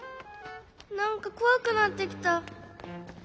なんかこわくなってきた。